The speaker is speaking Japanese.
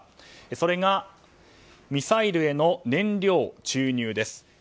それがミサイルへの燃料注入です。